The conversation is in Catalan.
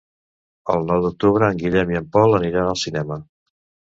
El nou d'octubre en Guillem i en Pol aniran al cinema.